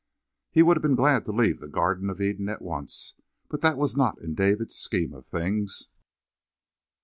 He would have been glad to leave the Garden of Eden at once, but that was not in David's scheme of things.